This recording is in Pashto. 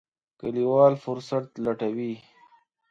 کلیوال فرصت لټوي.